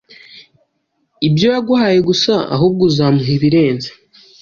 ibyo yaguhaye gusa, ahubwo uzamuha ibirenze.